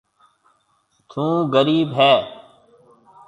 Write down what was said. ٿُون غرِيب هيَ۔